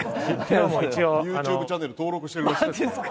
ＹｏｕＴｕｂｅチャンネル登録してるらしい。